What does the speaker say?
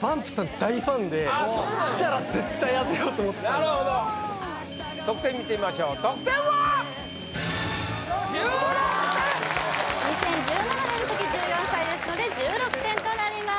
大ファンできたら絶対当てようと思ってたんでなるほど得点見てみましょう得点は１６点２０１７年の時１４歳ですので１６点となります